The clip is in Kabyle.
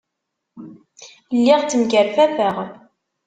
Lliɣ ttemkerfafeɣ.